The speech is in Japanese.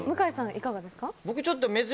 いかがですか？